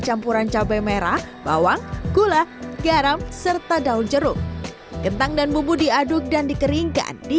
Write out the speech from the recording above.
campuran cabai merah bawang gula garam serta daun jeruk kentang dan bumbu diaduk dan dikeringkan di